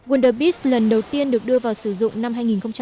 wonderbeach lần đầu tiên được đưa vào sử dụng năm hai nghìn hai